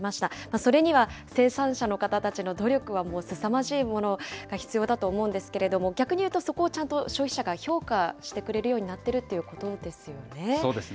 それには生産者の方たちの努力はもう、すさまじいものが必要だと思うんですけれども、逆に言うと、そこをちゃんと消費者が評価してくれるようになってるってことですよね。